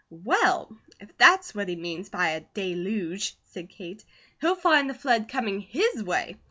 "Well, if that's what he means by a 'deluge,'" said Kate, "he'll find the flood coming his way.